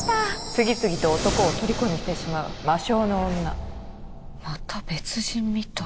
次々と男をとりこにしてしまう魔性の女また別人みたい。